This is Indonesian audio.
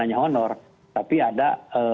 hanya honor tapi ada